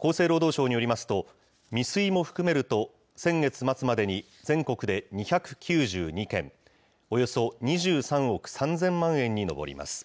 厚生労働省によりますと、未遂も含めると、先月末までに全国で２９２件、およそ２３億３０００万円に上ります。